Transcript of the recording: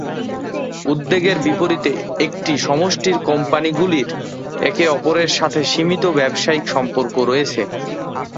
উদ্বেগের বিপরীতে, একটি সমষ্টির কোম্পানিগুলির একে অপরের সাথে সীমিত ব্যবসায়িক সম্পর্ক রয়েছে।